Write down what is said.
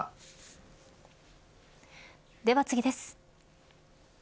では次です。